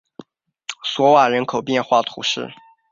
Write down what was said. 索瓦人口变化图示